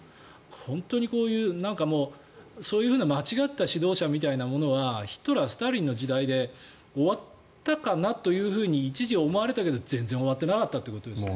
本当にそういうふうな間違った指導者みたいなものはヒトラー、スターリンの時代で終わったかなというふうに一時思われたけど全然終わってなかったということですよね。